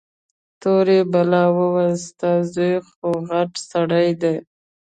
تورې بلا وويل ستا زوى خوغټ سړى دى.